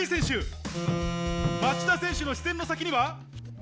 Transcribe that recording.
町田選手の視線の先には。